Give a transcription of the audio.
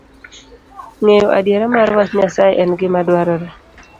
Ng'eyo adiera mar wach Nyasaye en gima dwarore